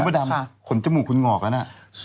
ไหนวัดดำขนจมูกคุณงอกอันอ่ะ